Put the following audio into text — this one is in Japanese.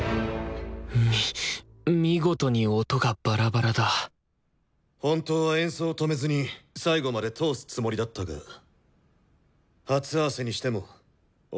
み見事に音がバラバラだ本当は演奏を止めずに最後まで通すつもりだったが初合わせにしても音の出始める瞬間